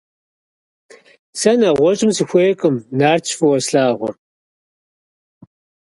Сэ нэгъуэщӏым сыхуейкъым, Нартщ фӏыуэ слъагъур.